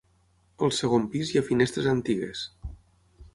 Al segon pis hi ha finestres antigues.